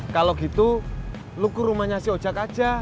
kalo gitu lu ke rumahnya si ojak aja